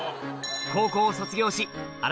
高校を卒業しあぁ！